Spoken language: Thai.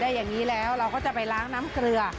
อย่างนี้แล้วเราก็จะไปล้างน้ำเกลือ